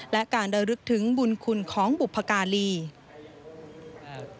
และการระลึกถึงบุญคุณของบุพการี